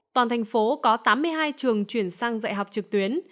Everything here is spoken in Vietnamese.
toàn thành phố có tám mươi hai trường chuyển sang dạy học trực tuyến